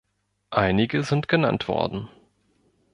Einige sind genannt worden.